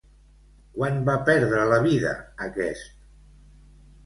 Quan va perdre la vida aquest?